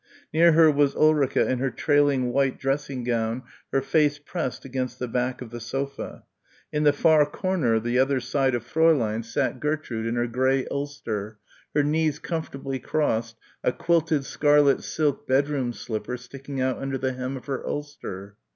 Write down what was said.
Near her was Ulrica in her trailing white dressing gown, her face pressed against the back of the sofa. In the far corner, the other side of Fräulein sat Gertrude in her grey ulster, her knees comfortably crossed, a quilted scarlet silk bedroom slipper sticking out under the hem of her ulster.